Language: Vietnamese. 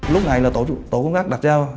lúc này là tổ công tác đặt ra